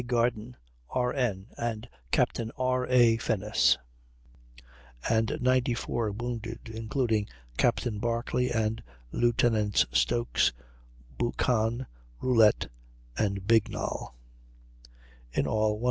Garden, R.N., and Captain R. A. Finnis), and 94 wounded (including Captain Barclay and Lieutenants Stokes, Buchan, Rolette, and Bignall): in all 135.